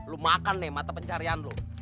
lo makan nih mata pencarian lo